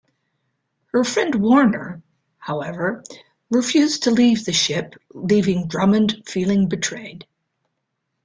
Her friend Warner, however, refused to leave the ship, leaving Drummond feeling betrayed.